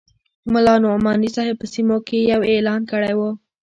ملا نعماني صاحب په سیمو کې یو اعلان کړی وو.